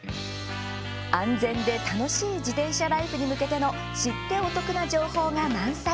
安全で楽しい自転車ライフに向けての知ってお得な情報が満載。